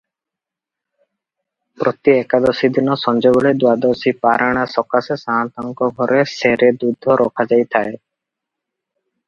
ପ୍ରତି ଏକାଦଶୀଦିନ ସଞ୍ଜବେଳେ ଦ୍ଵାଦଶୀ ପାରଣା ସକାଶେ ସାଆନ୍ତଙ୍କ ଘରେ ସେରେ ଦୁଧ ରଖାଯାଇଥାଏ ।